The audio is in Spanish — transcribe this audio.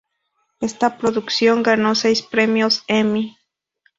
Esta producción ganó seis Premios Emmy.